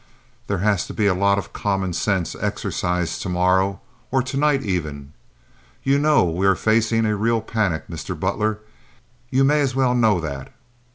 There has to be a lot of common sense exercised to morrow, or to night, even. You know we are facing a real panic. Mr. Butler, you may as well know that.